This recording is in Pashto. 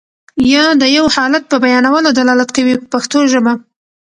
یا د یو حالت په بیانولو دلالت کوي په پښتو ژبه.